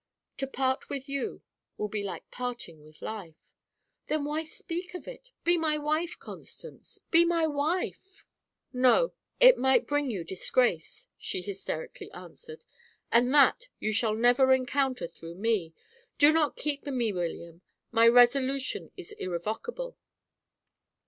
To part with you will be like parting with life." "Then why speak of it? Be my wife, Constance; be my wife!" "No, it might bring you disgrace," she hysterically answered; "and, that, you shall never encounter through me. Do not keep me, William; my resolution is irrevocable."